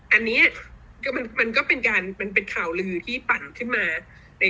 อันนี้คือมันก็เป็นการมันเป็นข่าวลือที่ปั่นขึ้นมาใน